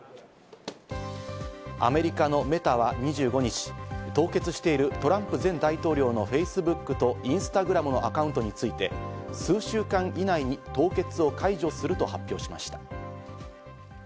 アメリカのメタは２５日、凍結しているトランプ前大統領のフェイスブックとインスタグラムのアカウントについて数週間以内に凍結を解除すると発表しました。